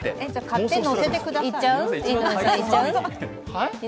買って乗せてください。